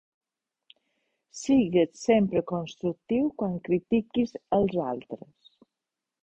Sigues sempre constructiu quan critiquis els altres.